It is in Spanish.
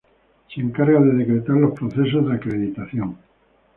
Se encarga de decretar los procesos de acreditación.